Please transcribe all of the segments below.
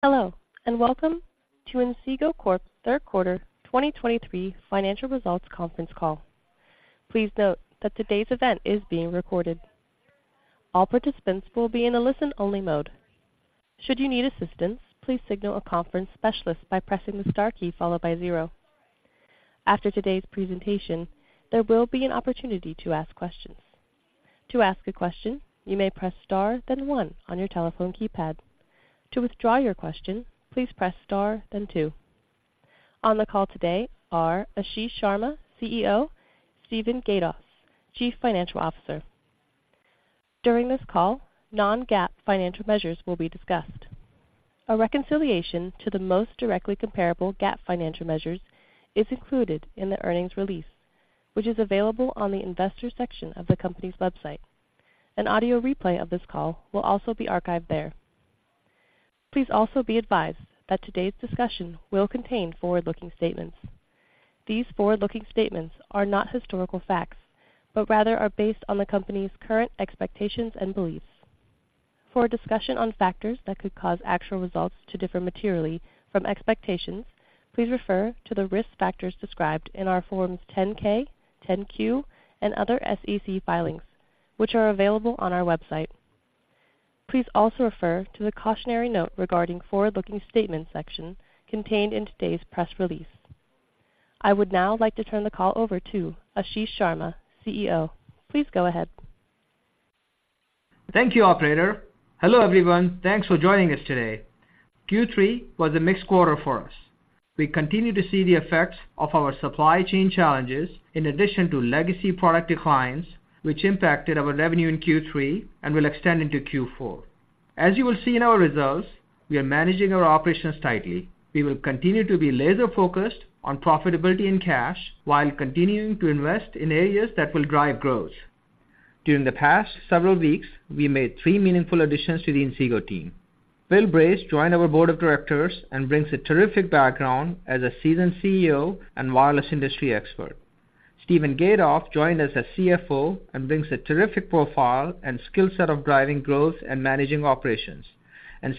Hello, and welcome to Inseego Corp's third quarter 2023 financial results conference call. Please note that today's event is being recorded. All participants will be in a listen-only mode. Should you need assistance, please signal a conference specialist by pressing the star key followed by zero. After today's presentation, there will be an opportunity to ask questions. To ask a question, you may press star, then one on your telephone keypad. To withdraw your question, please press star, then two. On the call today are Ashish Sharma, CEO, Steven Gatoff, Chief Financial Officer. During this call, non-GAAP financial measures will be discussed. A reconciliation to the most directly comparable GAAP financial measures is included in the Earnings Release, which is available on the Investor Section of the company's website. An audio replay of this call will also be archived there. Please also be advised that today's discussion will contain forward-looking statements. These forward-looking statements are not historical facts, but rather are based on the company's current expectations and beliefs. For a discussion on factors that could cause actual results to differ materially from expectations, please refer to the risk factors described in our Forms 10-K, 10-Q, and other SEC filings, which are available on our website. Please also refer to the cautionary note regarding forward-looking statements section contained in today's press release. I would now like to turn the call over to Ashish Sharma, CEO. Please go ahead. Thank you, operator. Hello, everyone. Thanks for joining us today. Q3 was a mixed quarter for us. We continue to see the effects of our supply chain challenges, in addition to legacy product declines, which impacted our revenue in Q3 and will extend into Q4. As you will see in our results, we are managing our operations tightly. We will continue to be laser-focused on profitability and cash, while continuing to invest in areas that will drive growth. During the past several weeks, we made three meaningful additions to the Inseego team. Phil Brace joined our Board of Directors and brings a terrific background as a seasoned CEO and wireless industry expert. Steven Gatoff joined as a CFO and brings a terrific profile and skill set of driving growth and managing operations.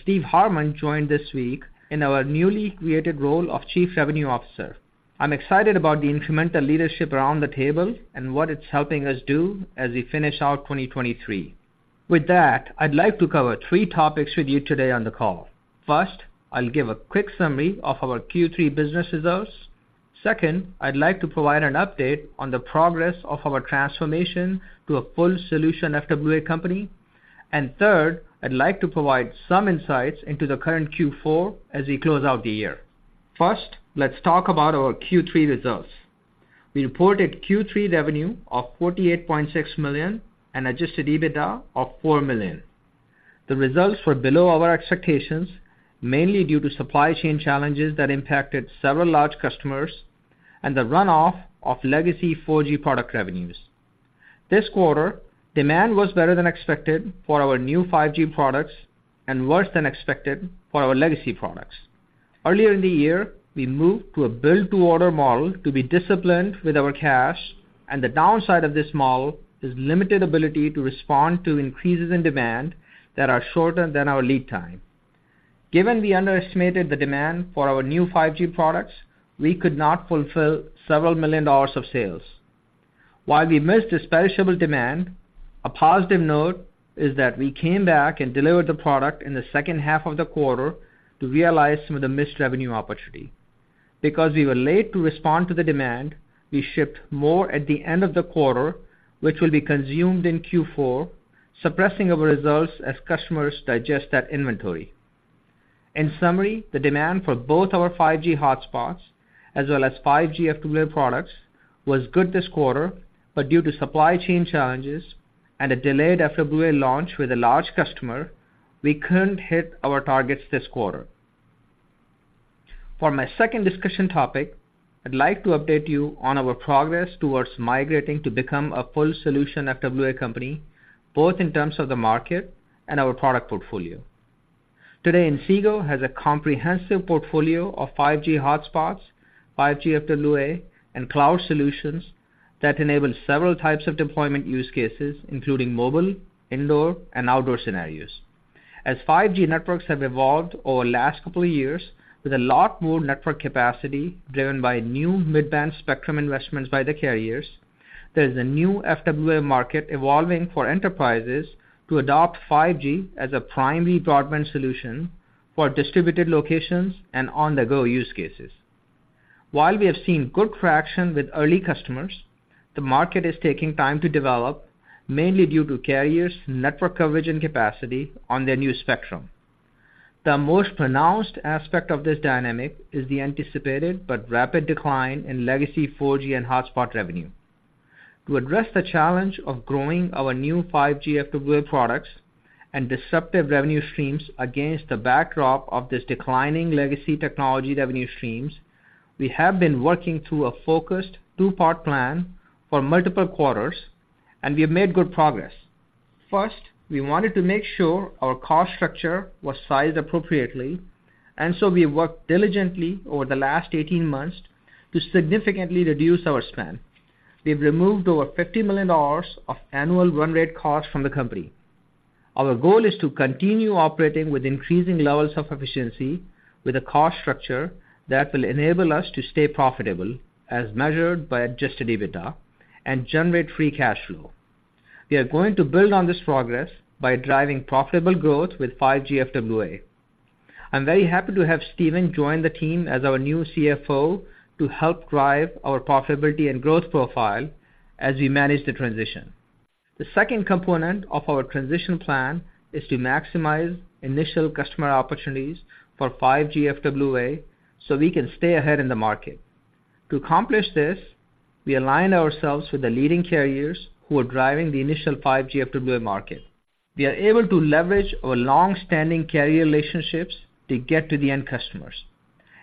Steve Harmon joined this week in our newly created role of Chief Revenue Officer. I'm excited about the incremental leadership around the table and what it's helping us do as we finish out 2023. With that, I'd like to cover three topics with you today on the call. First, I'll give a quick summary of our Q3 business results. Second, I'd like to provide an update on the progress of our transformation to a full solution FWA company. And third, I'd like to provide some insights into the current Q4 as we close out the year. First, let's talk about our Q3 results. We reported Q3 revenue of $48.6 million and Adjusted EBITDA of $4 million. The results were below our expectations, mainly due to supply chain challenges that impacted several large customers and the runoff of legacy 4G product revenues. This quarter, demand was better than expected for our new 5G products and worse than expected for our legacy products. Earlier in the year, we moved to a build-to-order model to be disciplined with our cash, and the downside of this model is limited ability to respond to increases in demand that are shorter than our lead time. Given we underestimated the demand for our new 5G products, we could not fulfill several million dollars of sales. While we missed this perishable demand, a positive note is that we came back and delivered the product in the second half of the quarter to realize some of the missed revenue opportunity. Because we were late to respond to the demand, we shipped more at the end of the quarter, which will be consumed in Q4, suppressing our results as customers digest that inventory. In summary, the demand for both our 5G hotspots as well as 5G FWA products was good this quarter, but due to supply chain challenges and a delayed FWA launch with a large customer, we couldn't hit our targets this quarter. For my second discussion topic, I'd like to update you on our progress towards migrating to become a full solution FWA company, both in terms of the market and our product portfolio. Today, Inseego has a comprehensive portfolio of 5G hotspots, 5G FWA, and cloud solutions that enable several types of deployment use cases, including mobile, indoor, and outdoor scenarios. As 5G networks have evolved over the last couple of years with a lot more network capacity, driven by new mid-band spectrum investments by the carriers, there is a new FWA market evolving for enterprises to adopt 5G as a primary broadband solution for distributed locations and on-the-go use cases. While we have seen good traction with early customers, the market is taking time to develop, mainly due to carriers, network coverage, and capacity on their new spectrum. The most pronounced aspect of this dynamic is the anticipated but rapid decline in legacy 4G and hotspot revenue. To address the challenge of growing our new 5G FWA products and disruptive revenue streams against the backdrop of this declining legacy technology revenue streams, we have been working through a focused two-part plan for multiple quarters, and we have made good progress. First, we wanted to make sure our cost structure was sized appropriately, and so we worked diligently over the last 18 months to significantly reduce our spend. We've removed over $50 million of annual run rate costs from the company. Our goal is to continue operating with increasing levels of efficiency, with a cost structure that will enable us to stay profitable, as measured by Adjusted EBITDA, and generate free cash flow. We are going to build on this progress by driving profitable growth with 5G FWA. I'm very happy to have Steven join the team as our new CFO to help drive our profitability and growth profile as we manage the transition. The second component of our transition plan is to maximize initial customer opportunities for 5G FWA, so we can stay ahead in the market. To accomplish this, we align ourselves with the leading carriers who are driving the initial 5G FWA market. We are able to leverage our long-standing carrier relationships to get to the end customers.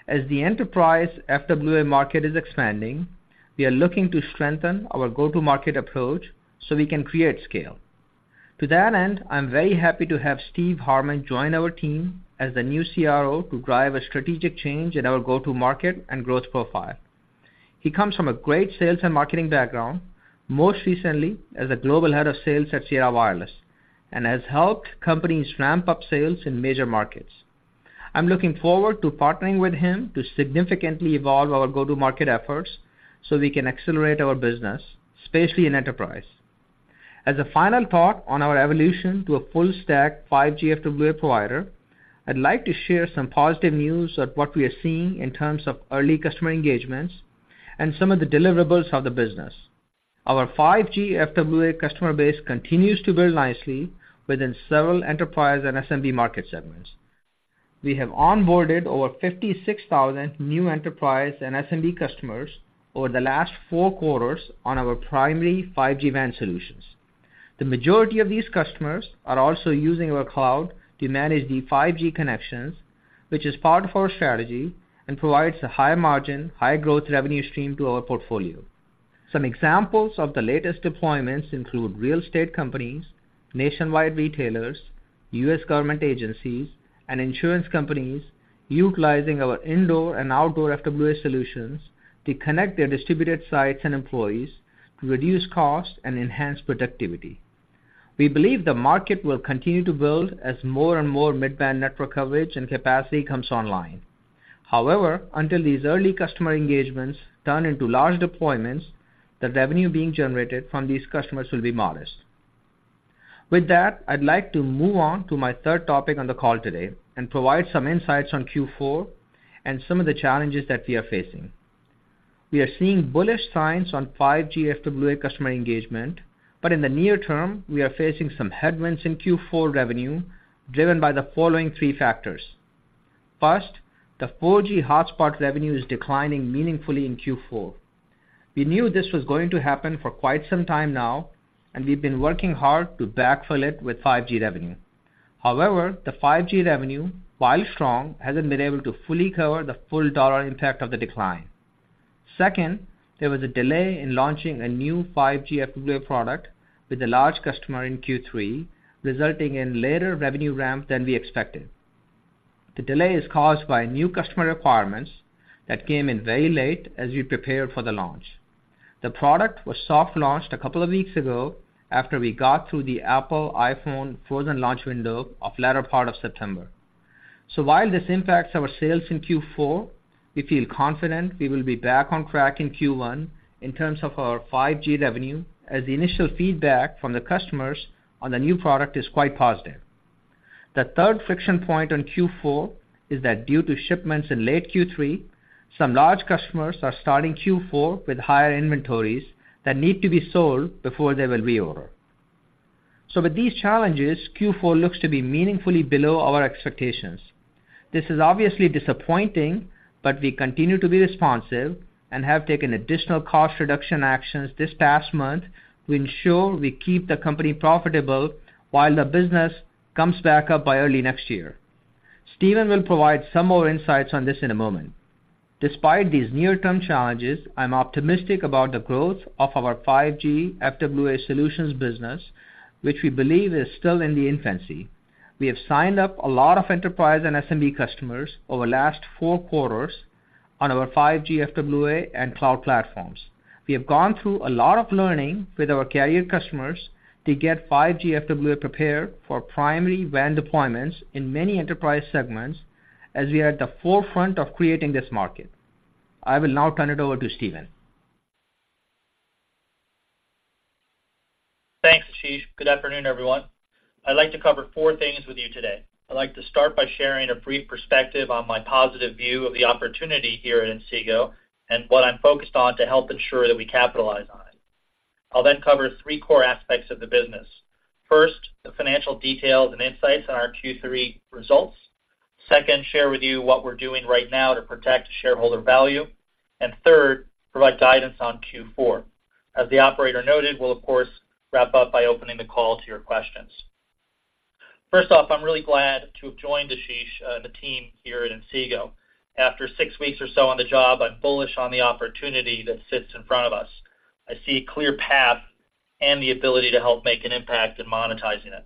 As the enterprise FWA market is expanding, we are looking to strengthen our go-to-market approach so we can create scale. To that end, I'm very happy to have Steve Harmon join our team as the new CRO, to drive a strategic change in our go-to-market and growth profile. He comes from a great Sales and Marketing background, most recently as a Global Head of Sales at Sierra Wireless, and has helped companies ramp up sales in major markets. I'm looking forward to partnering with him to significantly evolve our go-to-market efforts, so we can accelerate our business, especially in enterprise. As a final thought on our evolution to a full-stack 5G FWA provider, I'd like to share some positive news of what we are seeing in terms of early customer engagements and some of the deliverables of the business. Our 5G FWA customer base continues to build nicely within several enterprise and SMB market segments. We have onboarded over 56,000 new enterprise and SMB customers over the last four quarters on our primary 5G WAN solutions. The majority of these customers are also using our cloud to manage the 5G connections, which is part of our strategy and provides a high margin, high growth revenue stream to our portfolio. Some examples of the latest deployments include real estate companies, nationwide retailers, U.S. government agencies, and insurance companies, utilizing our indoor and outdoor FWA solutions to connect their distributed sites and employees to reduce costs and enhance productivity. We believe the market will continue to build as more and more mid-band network coverage and capacity comes online. However, until these early customer engagements turn into large deployments, the revenue being generated from these customers will be modest. With that, I'd like to move on to my third topic on the call today and provide some insights on Q4 and some of the challenges that we are facing. We are seeing bullish signs on 5G FWA customer engagement, but in the near term, we are facing some headwinds in Q4 revenue, driven by the following three factors. First, the 4G hotspot revenue is declining meaningfully in Q4. We knew this was going to happen for quite some time now, and we've been working hard to backfill it with 5G revenue. However, the 5G revenue, while strong, hasn't been able to fully cover the full dollar impact of the decline. Second, there was a delay in launching a new 5G FWA product with a large customer in Q3, resulting in later revenue ramp than we expected. The delay is caused by new customer requirements that came in very late as we prepared for the launch. The product was soft-launched a couple of weeks ago after we got through the Apple iPhone frozen launch window of latter part of September. So while this impacts our sales in Q4, we feel confident we will be back on track in Q1 in terms of our 5G revenue, as the initial feedback from the customers on the new product is quite positive. The third friction point on Q4 is that due to shipments in late Q3, some large customers are starting Q4 with higher inventories that need to be sold before they will reorder. So with these challenges, Q4 looks to be meaningfully below our expectations. This is obviously disappointing, but we continue to be responsive and have taken additional cost reduction actions this past month to ensure we keep the company profitable while the business comes back up by early next year. Steven will provide some more insights on this in a moment. Despite these near-term challenges, I'm optimistic about the growth of our 5G FWA solutions business, which we believe is still in the infancy. We have signed up a lot of enterprise and SMB customers over the last four quarters on our 5G FWA and cloud platforms. We have gone through a lot of learning with our carrier customers to get 5G FWA prepared for primary WAN deployments in many enterprise segments, as we are at the forefront of creating this market. I will now turn it over to Steven. Thanks, Ashish. Good afternoon, everyone. I'd like to cover four things with you today. I'd like to start by sharing a brief perspective on my positive view of the opportunity here at Inseego, and what I'm focused on to help ensure that we capitalize on it. I'll then cover three core aspects of the business. First, the financial details and insights on our Q3 results. Second, share with you what we're doing right now to protect shareholder value. And third, provide guidance on Q4. As the operator noted, we'll of course wrap up by opening the call to your questions. First off, I'm really glad to have joined Ashish and the team here at Inseego. After six weeks or so on the job, I'm bullish on the opportunity that sits in front of us. I see a clear path and the ability to help make an impact in monetizing it....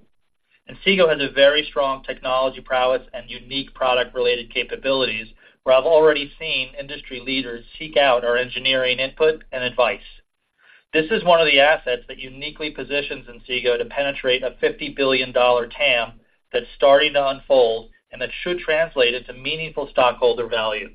Inseego has a very strong technology prowess and unique product-related capabilities, where I've already seen industry leaders seek out our engineering input and advice. This is one of the assets that uniquely positions Inseego to penetrate a $50 billion TAM that's starting to unfold and that should translate into meaningful stockholder value.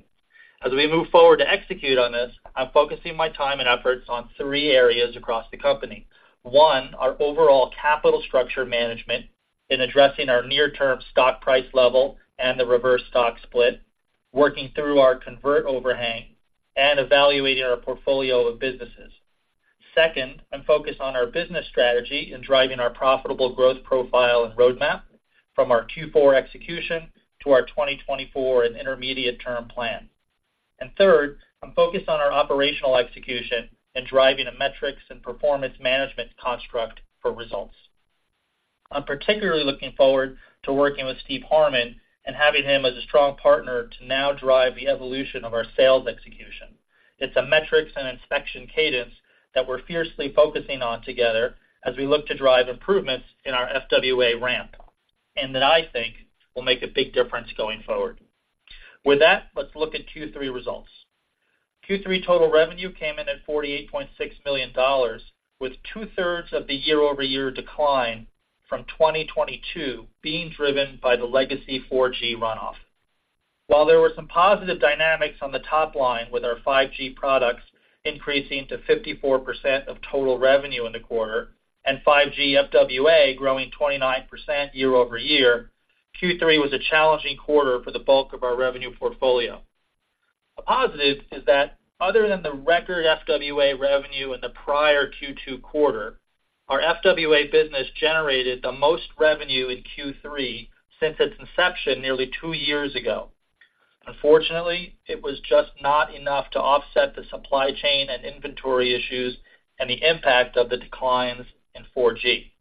As we move forward to execute on this, I'm focusing my time and efforts on three areas across the company. One, our overall capital structure management in addressing our near-term stock price level and the reverse stock split, working through our convert overhang, and evaluating our portfolio of businesses. Second, I'm focused on our business strategy in driving our profitable growth profile and roadmap from our Q4 execution to our 2024 and intermediate-term plan. And third, I'm focused on our operational execution and driving a metrics and performance management construct for results. I'm particularly looking forward to working with Steve Harmon and having him as a strong partner to now drive the evolution of our sales execution. It's a metrics and inspection cadence that we're fiercely focusing on together as we look to drive improvements in our FWA ramp, and that I think will make a big difference going forward. With that, let's look at Q3 results. Q3 total revenue came in at $48.6 million, with 2/3 of the year-over-year decline from 2022 being driven by the legacy 4G runoff. While there were some positive dynamics on the top line with our 5G products increasing to 54% of total revenue in the quarter and 5G FWA growing 29% year-over-year, Q3 was a challenging quarter for the bulk of our revenue portfolio. A positive is that other than the record FWA revenue in the prior Q2, our FWA business generated the most revenue in Q3 since its inception nearly two years ago. Unfortunately, it was just not enough to offset the supply chain and inventory issues and the impact of the declines in 4G.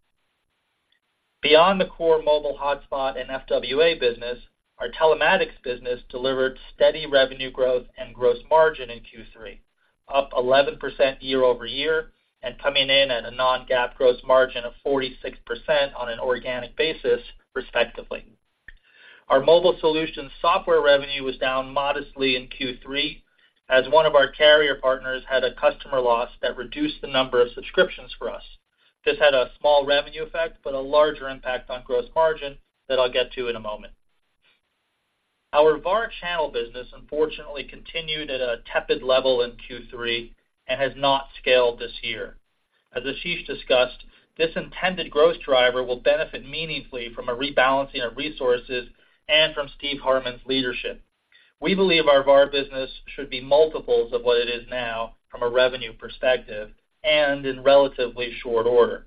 Beyond the core mobile hotspot and FWA business, our telematics business delivered steady revenue growth and gross margin in Q3, up 11% year-over-year and coming in at a non-GAAP gross margin of 46% on an organic basis, respectively. Our mobile solutions software revenue was down modestly in Q3, as one of our carrier partners had a customer loss that reduced the number of subscriptions for us. This had a small revenue effect, but a larger impact on gross margin that I'll get to in a moment. Our VAR channel business, unfortunately, continued at a tepid level in Q3 and has not scaled this year. As Ashish discussed, this intended growth driver will benefit meaningfully from a rebalancing of resources and from Steve Harmon's leadership. We believe our VAR business should be multiples of what it is now from a revenue perspective and in relatively short order.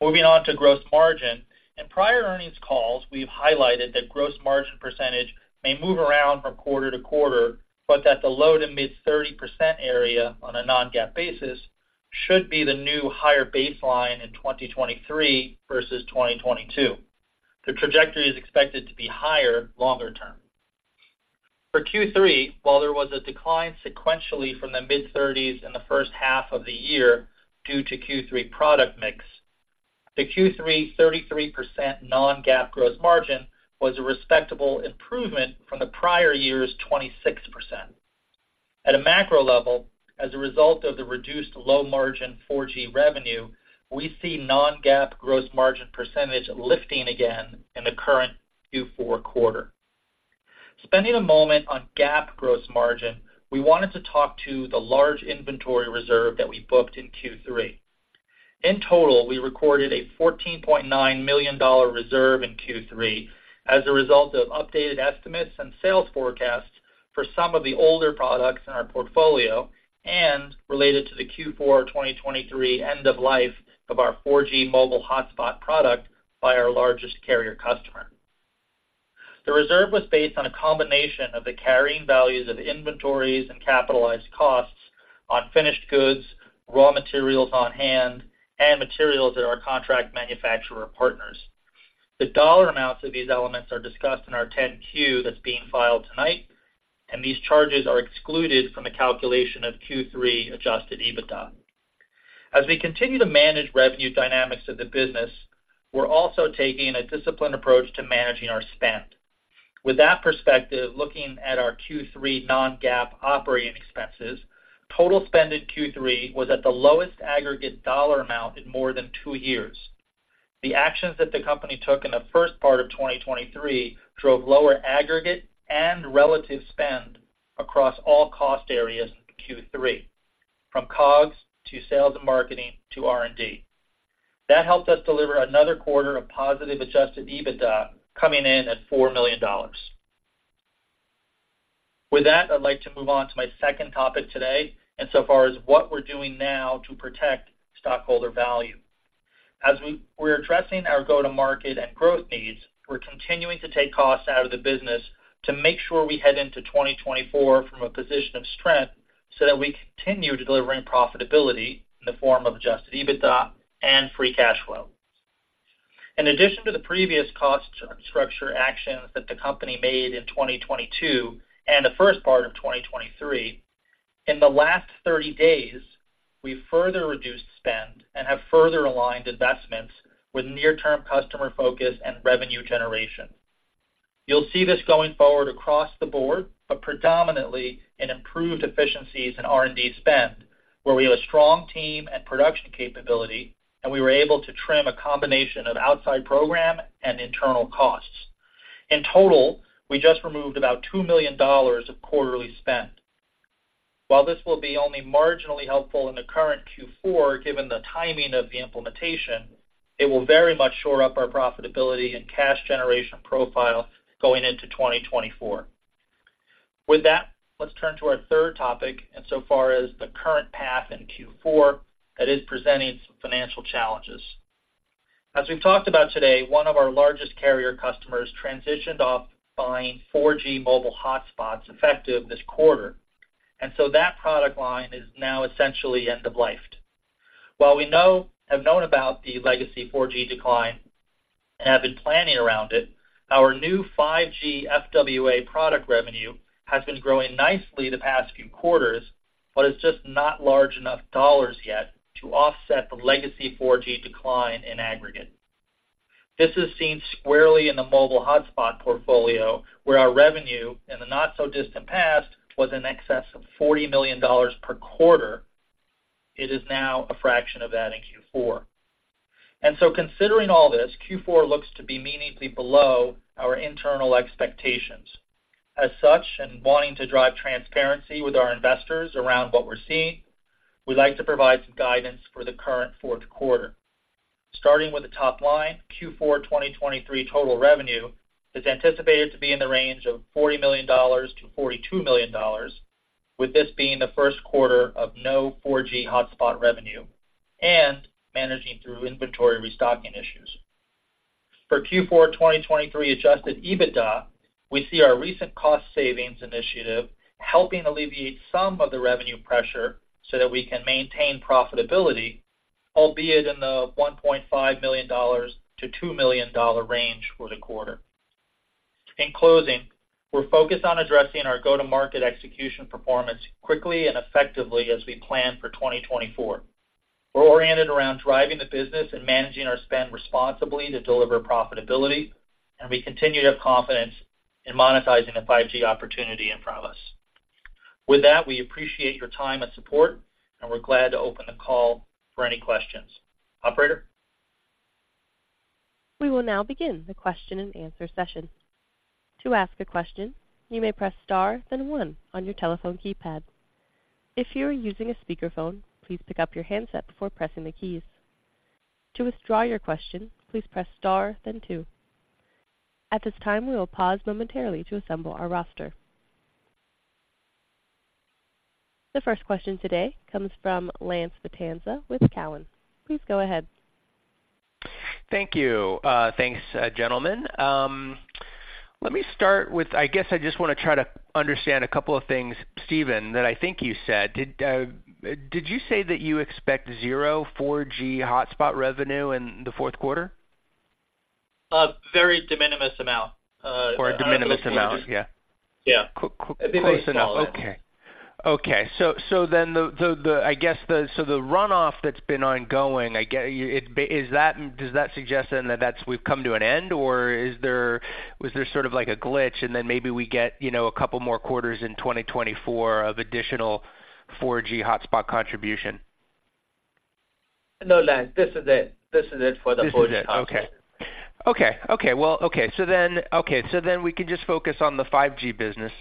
Moving on to gross margin. In prior earnings calls, we've highlighted that gross margin percentage may move around from quarter-to-quarter, but that the low- to mid-30% area on a non-GAAP basis should be the new higher baseline in 2023 versus 2022. The trajectory is expected to be higher longer term. For Q3, while there was a decline sequentially from the mid-30s in the first half of the year due to Q3 product mix, the Q3 33% non-GAAP gross margin was a respectable improvement from the prior year's 26%. At a macro level, as a result of the reduced low-margin 4G revenue, we see non-GAAP gross margin percentage lifting again in the current Q4 quarter. Spending a moment on GAAP gross margin, we wanted to talk to the large inventory reserve that we booked in Q3. In total, we recorded a $14.9 million reserve in Q3 as a result of updated estimates and sales forecasts for some of the older products in our portfolio and related to the Q4 2023 end of life of our 4G mobile hotspot product by our largest carrier customer. The reserve was based on a combination of the carrying values of inventories and capitalized costs on finished goods, raw materials on hand, and materials at our contract manufacturer partners. The dollar amounts of these elements are discussed in our 10-Q that's being filed tonight, and these charges are excluded from the calculation of Q3 Adjusted EBITDA. As we continue to manage revenue dynamics of the business, we're also taking a disciplined approach to managing our spend. With that perspective, looking at our Q3 non-GAAP operating expenses, total spend in Q3 was at the lowest aggregate dollar amount in more than two years. The actions that the company took in the first part of 2023 drove lower aggregate and relative spend across all cost areas in Q3, from COGS to sales and marketing to R&D. That helped us deliver another quarter of positive Adjusted EBITDA, coming in at $4 million. With that, I'd like to move on to my second topic today, and so far as what we're doing now to protect stockholder value. As we're addressing our go-to-market and growth needs, we're continuing to take costs out of the business to make sure we head into 2024 from a position of strength, so that we continue delivering profitability in the form of Adjusted EBITDA and free cash flow. In addition to the previous cost structure actions that the company made in 2022 and the first part of 2023... In the last 30 days, we've further reduced spend and have further aligned investments with near-term customer focus and revenue generation. You'll see this going forward across the board, but predominantly in improved efficiencies in R&D spend, where we have a strong team and production capability, and we were able to trim a combination of outside program and internal costs. In total, we just removed about $2 million of quarterly spend. While this will be only marginally helpful in the current Q4, given the timing of the implementation, it will very much shore up our profitability and cash generation profile going into 2024. With that, let's turn to our third topic, and so far as the current path in Q4, that is presenting some financial challenges. As we've talked about today, one of our largest carrier customers transitioned off buying 4G mobile hotspots effective this quarter, and so that product line is now essentially end-of-life. While we have known about the legacy 4G decline and have been planning around it, our new 5G FWA product revenue has been growing nicely the past few quarters, but it's just not large enough dollars yet to offset the legacy 4G decline in aggregate. This is seen squarely in the mobile hotspot portfolio, where our revenue in the not so distant past was in excess of $40 million per quarter. It is now a fraction of that in Q4. And so considering all this, Q4 looks to be meaningfully below our internal expectations. As such, and wanting to drive transparency with our investors around what we're seeing, we'd like to provide some guidance for the current fourth quarter. Starting with the top line, Q4 2023 total revenue is anticipated to be in the range of $40 million-$42 million, with this being the first quarter of no 4G hotspot revenue and managing through inventory restocking issues. For Q4 2023 Adjusted EBITDA, we see our recent cost savings initiative helping alleviate some of the revenue pressure so that we can maintain profitability, albeit in the $1.5 million-$2 million range for the quarter. In closing, we're focused on addressing our go-to-market execution performance quickly and effectively as we plan for 2024. We're oriented around driving the business and managing our spend responsibly to deliver profitability, and we continue to have confidence in monetizing the 5G opportunity in progress. With that, we appreciate your time and support, and we're glad to open the call for any questions. Operator? We will now begin the question-and-answer session. To ask a question, you may press star, then one on your telephone keypad. If you are using a speakerphone, please pick up your handset before pressing the keys. To withdraw your question, please press star, then two. At this time, we will pause momentarily to assemble our roster. The first question today comes from Lance Vitanza with Cowen. Please go ahead. Thank you. Thanks, gentlemen. Let me start with... I guess I just want to try to understand a couple of things, Steven, that I think you said. Did you say that you expect zero 4G hotspot revenue in the fourth quarter? A very de minimis amount, Or a de minimis amount, yeah. Yeah. Close enough. Okay, so then the—I guess the—so the runoff that's been ongoing, I get, is that—does that suggest then that that's we've come to an end, or is there—was there sort of like a glitch, and then maybe we get, you know, a couple more quarters in 2024 of additional 4G hotspot contribution? No, Lance, this is it. This is it for the 4G. Well, okay, so then we can just focus on the 5G business.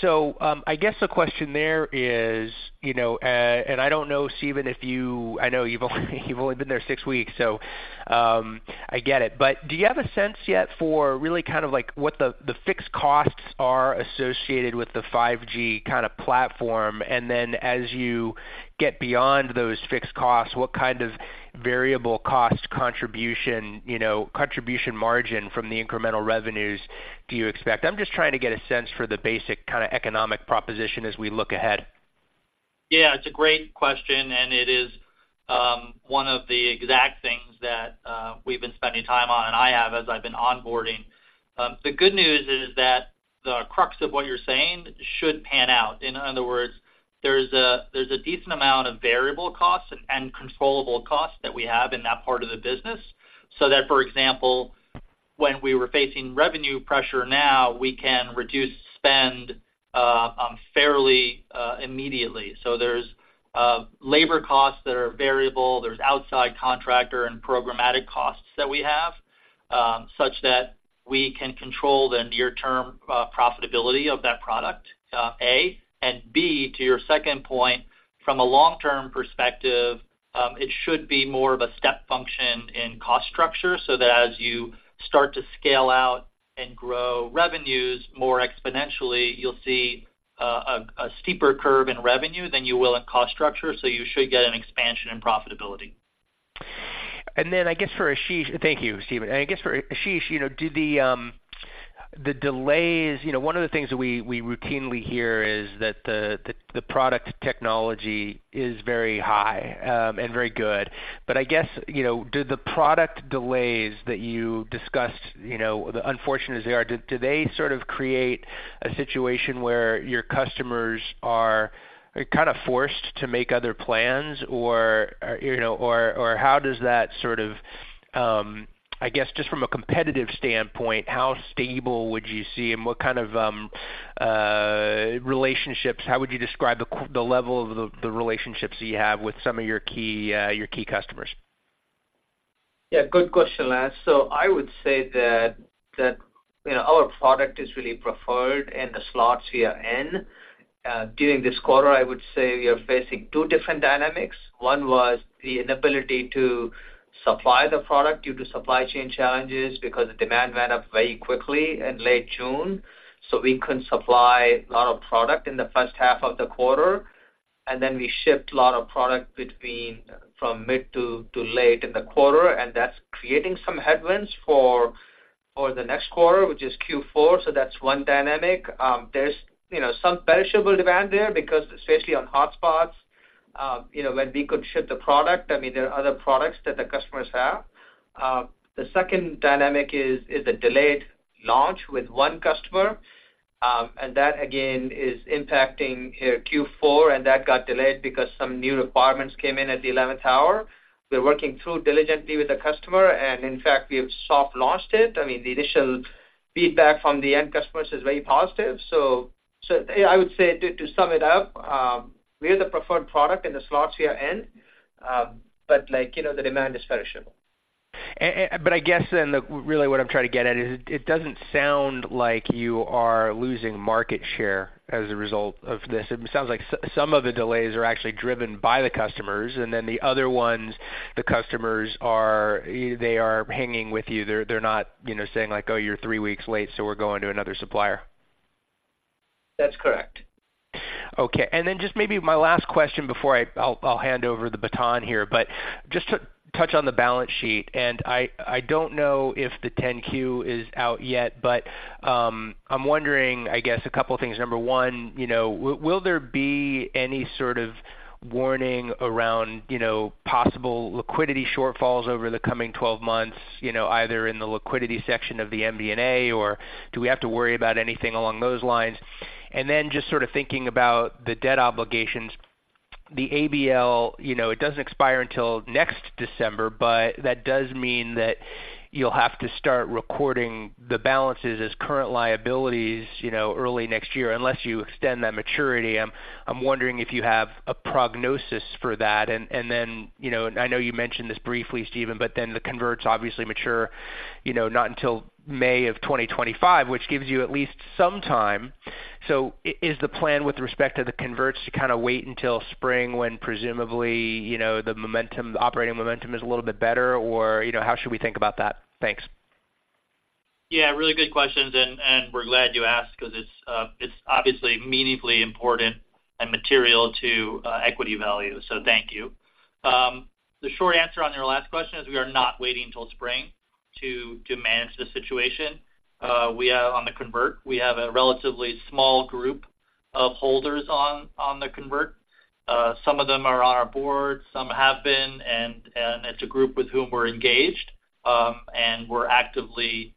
So, I guess the question there is, you know, and I don't know, Steven, if you, I know you've only been there six weeks, so, I get it. But do you have a sense yet for really kind of like what the fixed costs are associated with the 5G kind of platform, and then as you get beyond those fixed costs, what kind of variable cost contribution, you know, contribution margin from the incremental revenues do you expect? I'm just trying to get a sense for the basic kind of economic proposition as we look ahead. Yeah, it's a great question, and it is one of the exact things that we've been spending time on, and I have as I've been onboarding. The good news is that the crux of what you're saying should pan out. In other words, there's a decent amount of variable costs and controllable costs that we have in that part of the business. So that, for example, when we were facing revenue pressure now, we can reduce spend fairly immediately. So there's labor costs that are variable, there's outside contractor and programmatic costs that we have such that we can control the near-term profitability of that product, A and B, to your second point, from a long-term perspective, it should be more of a step function in cost structure, so that as you start to scale out and grow revenues more exponentially, you'll see a steeper curve in revenue than you will in cost structure, so you should get an expansion in profitability. And then I guess for Ashish... Thank you, Steven. And I guess for Ashish, you know, do the delays, you know, one of the things that we routinely hear is that the product technology is very high and very good. But I guess, you know, do the product delays that you discussed, you know, the unfortunate as they are, do they sort of create a situation where your customers are kind of forced to make other plans? Or, you know, or how does that sort of, I guess, just from a competitive standpoint, how stable would you see and what kind of relationships, how would you describe the level of the relationships you have with some of your key customers? Yeah, good question, Lance. So I would say that you know, our product is really preferred in the slots we are in. During this quarter, I would say we are facing two different dynamics. One was the inability to supply the product due to supply chain challenges because the demand went up very quickly in late June, so we couldn't supply a lot of product in the first half of the quarter. And then we shipped a lot of product between from mid-to-late in the quarter, and that's creating some headwinds for the next quarter, which is Q4. So that's one dynamic. There's you know, some perishable demand there because especially on hotspots, you know, when we could ship the product, I mean, there are other products that the customers have. The second dynamic is the delayed launch with one customer, and that again is impacting Q4, and that got delayed because some new requirements came in at the eleventh hour. We're working through diligently with the customer, and in fact, we have soft-launched it. I mean, the initial feedback from the end customers is very positive. So I would say to sum it up, we are the preferred product in the slots we are in, but like, you know, the demand is perishable. But I guess then, really what I'm trying to get at is, it doesn't sound like you are losing market share as a result of this. It sounds like some of the delays are actually driven by the customers, and then the other ones, the customers are, they are hanging with you. They're not, you know, saying like, "Oh, you're three weeks late, so we're going to another supplier. That's correct. Okay, and then just maybe my last question before I'll, I'll hand over the baton here. But just to touch on the balance sheet, and I don't know if the 10-Q is out yet, but I'm wondering, I guess, a couple of things. Number one, you know, will there be any sort of warning around, you know, possible liquidity shortfalls over the coming twelve months, you know, either in the liquidity section of the MD&A, or do we have to worry about anything along those lines? And then just sort of thinking about the debt obligations, the ABL, you know, it doesn't expire until next December, but that does mean that you'll have to start recording the balances as current liabilities, you know, early next year, unless you extend that maturity. I'm wondering if you have a prognosis for that. And then, you know, and I know you mentioned this briefly, Steven, but then the converts obviously mature, you know, not until May 2025, which gives you at least some time. So is the plan with respect to the converts to kind of wait until spring when presumably, you know, the momentum, the operating momentum is a little bit better, or, you know, how should we think about that? Thanks. Yeah, really good questions, and we're glad you asked because it's obviously meaningfully important and material to equity value. So thank you. The short answer on your last question is we are not waiting till spring to manage the situation. We are on the convert. We have a relatively small group of holders on the convert. Some of them are on our board, some have been, and it's a group with whom we're engaged, and we're actively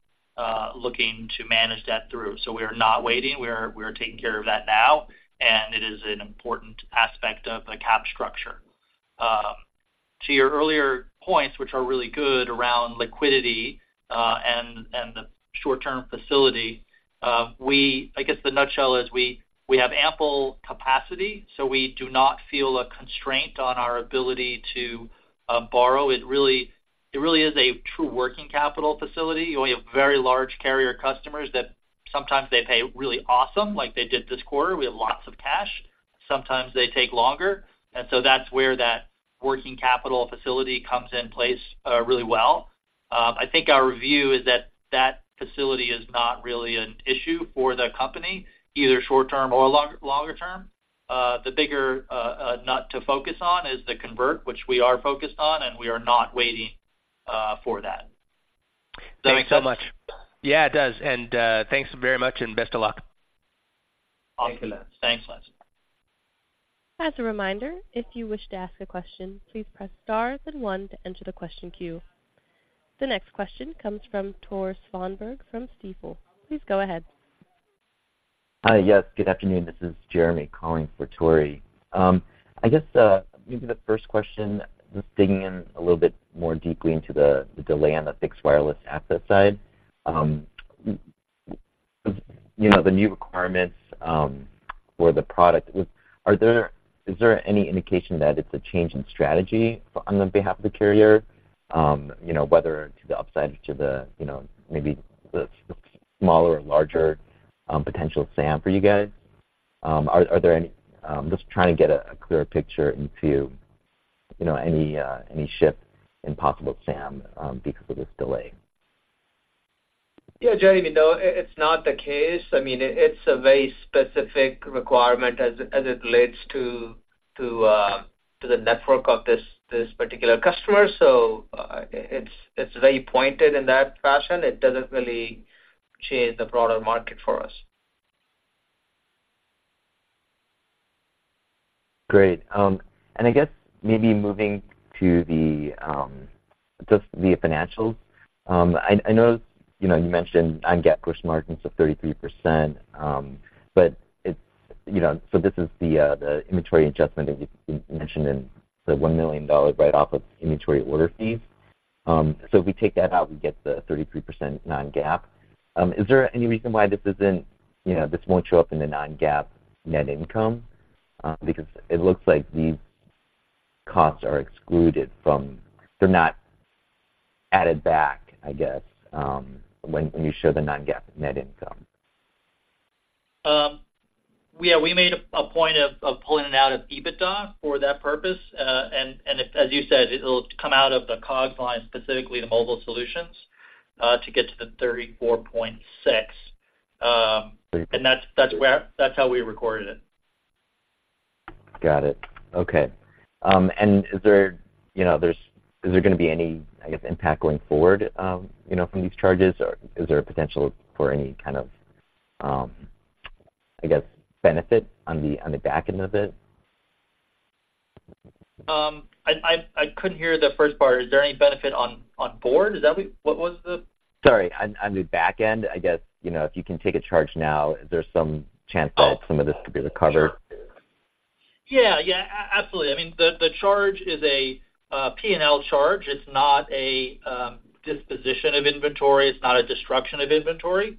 looking to manage that through. So we are not waiting. We are taking care of that now, and it is an important aspect of the cap structure. To your earlier points, which are really good around liquidity, and the short-term facility, we... I guess the nutshell is we have ample capacity, so we do not feel a constraint on our ability to borrow. It really is a true working capital facility. We have very large carrier customers that sometimes they pay really awesome, like they did this quarter. We have lots of cash. Sometimes they take longer, and so that's where that working capital facility comes in place really well. I think our review is that that facility is not really an issue for the company, either short term or longer term. The bigger nut to focus on is the convert, which we are focused on, and we are not waiting for that. Thanks so much. Yeah, it does. And, thanks very much, and best of luck. Awesome. Thank you, Lance. Thanks, Lance. As a reminder, if you wish to ask a question, please press Star then one to enter the question queue. The next question comes from Tore Svanberg from Stifel. Please go ahead. Hi. Yes, good afternoon. This is Jeremy calling for Tor. I guess, maybe the first question, just digging in a little bit more deeply into the delay on the fixed wireless access side. You know, the new requirements for the product, is there any indication that it's a change in strategy on behalf of the carrier, you know, whether to the upside, to the, you know, maybe the smaller or larger potential SAM for you guys? Are there any? I'm just trying to get a clearer picture into, you know, any shift in possible SAM because of this delay. Yeah, Jeremy, no, it's not the case. I mean, it's a very specific requirement as it relates to the network of this particular customer. So, it's very pointed in that fashion. It doesn't really change the broader market for us. Great. And I guess maybe moving to the just the financials. I know, you know, you mentioned on GAAP gross margins of 33%, but it's, you know, so this is the inventory adjustment that you mentioned in the $1 million write-off of inventory order fees. So if we take that out, we get the 33% non-GAAP. Is there any reason why this isn't, you know, this won't show up in the non-GAAP net income? Because it looks like these costs are excluded from... They're not added back, I guess, when you show the non-GAAP net income. We made a point of pulling it out of EBITDA for that purpose. And as you said, it'll come out of the COGS line, specifically the mobile solutions, to get to the 34.6. And that's how we recorded it. Got it. Okay. And is there, you know, any, I guess, impact going forward, you know, from these charges? Or is there a potential for any kind of, I guess, benefit on the back end of it? I couldn't hear the first part. Is there any benefit on board? Is that what... What was the- Sorry, on the back end, I guess, you know, if you can take a charge now, is there some chance that some of this could be recovered? Yeah, yeah, absolutely. I mean, the charge is a P&L charge. It's not a disposition of inventory. It's not a disruption of inventory.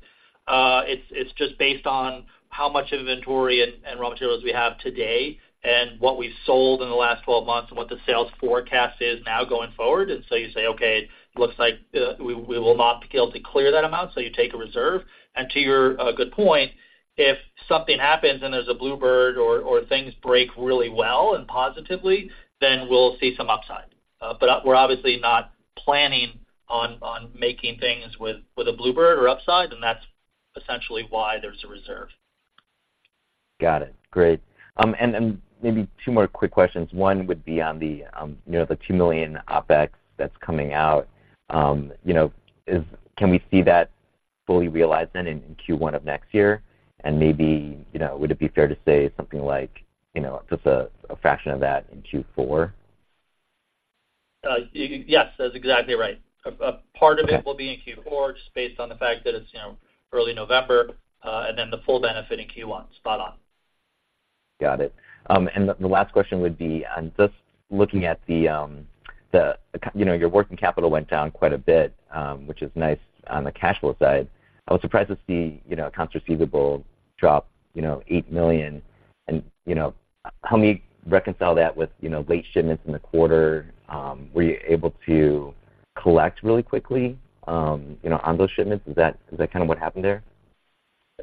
It's just based on how much inventory and raw materials we have today and what we sold in the last 12 months and what the sales forecast is now going forward. And so you say, okay, looks like we will not be able to clear that amount, so you take a reserve. And to your good point, if something happens and there's a blue bird or things break really well and positively, then we'll see some upside. But we're obviously not planning on making things with a blue bird or upside, and that's essentially why there's a reserve. Got it. Great. And then maybe two more quick questions. One would be on the, you know, the $2 million OpEx that's coming out. You know, is... Can we see that fully realized then in Q1 of next year? And maybe, you know, would it be fair to say something like, you know, just a, a fraction of that in Q4? Yes, that's exactly right. Okay. A part of it will be in Q4, just based on the fact that it's, you know, early November, and then the full benefit in Q1. Spot on. Got it. The last question would be on just looking at the, you know, your working capital went down quite a bit, which is nice on the cash flow side. I was surprised to see, you know, accounts receivable drop $8 million. You know, how may you reconcile that with, you know, late shipments in the quarter? Were you able to collect really quickly, you know, on those shipments? Is that, is that kind of what happened there?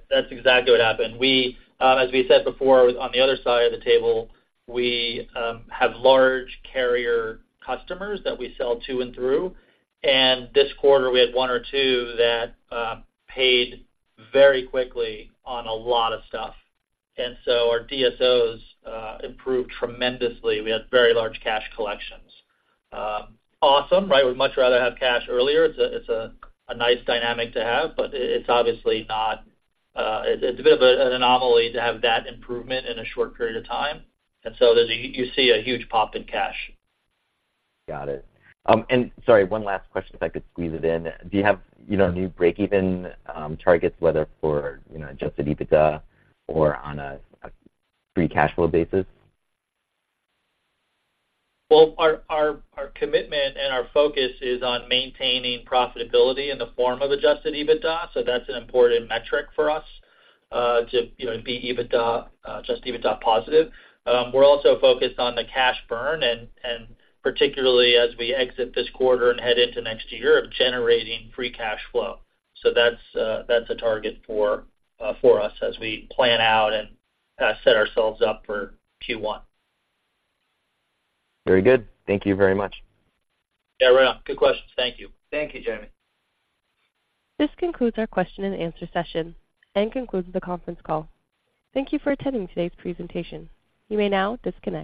That's exactly what happened. We, as we said before, on the other side of the table, we have large carrier customers that we sell to and through, and this quarter we had one or two that paid very quickly on a lot of stuff. And so our DSOs improved tremendously. We had very large cash collections. Awesome, right? We'd much rather have cash earlier. It's a, it's a nice dynamic to have, but it, it's obviously not. It's a bit of a, an anomaly to have that improvement in a short period of time, and so there's you see a huge pop in cash. Got it. And sorry, one last question, if I could squeeze it in. Do you have, you know, new breakeven targets, whether for, you know, Adjusted EBITDA or on a free cash flow basis? Well, our commitment and our focus is on maintaining profitability in the form of Adjusted EBITDA, so that's an important metric for us, to you know, be Adjusted EBITDA positive. We're also focused on the cash burn, and particularly as we exit this quarter and head into next year, of generating free cash flow. So that's a target for us as we plan out and set ourselves up for Q1. Very good. Thank you very much. Yeah, right on. Good questions. Thank you. Thank you, Jeremy. This concludes our question and answer session and concludes the conference call. Thank you for attending today's presentation. You may now disconnect.